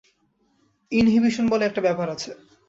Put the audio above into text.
Inhibition বলে একটা ব্যাপার আছে।